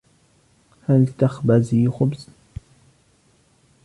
هل تخبزي خبز؟